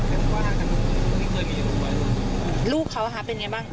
พูดจาน่ารักเนี่ยพูดแบบลูกหลานน่ารัก